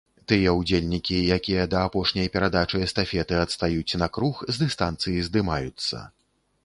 Тыя ўдзельнікі, якія да апошняй перадачы эстафеты адстаюць на круг, з дыстанцыі здымаюцца.